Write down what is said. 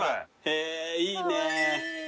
へえいいね。